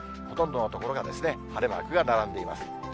ほとんどの所が晴れマークが並んでいます。